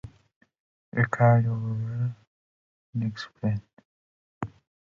Instruments of various sorts have been invented by the priests.